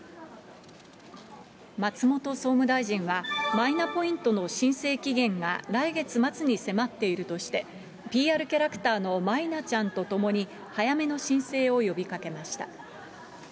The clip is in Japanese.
松本総務大臣は、マイナポイントの申請期限が来月末に迫っているとして、ＰＲキャラクターのマイナちゃんと共に早めの申請を呼びかけまし